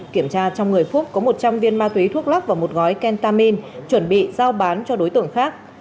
kiểm tra trong người phúc có một trăm linh viên ma túy thuốc lắc và một gói kentamin chuẩn bị giao bán cho đối tượng khác